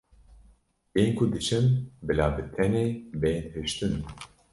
Yên ku diçin bila bi tenê bên hiştin.